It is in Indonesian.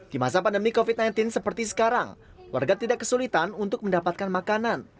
di masa pandemi covid sembilan belas seperti sekarang warga tidak kesulitan untuk mendapatkan makanan